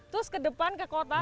terus ke depan ke kota